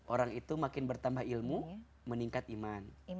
orang itu makin bertambah ilmu meningkat iman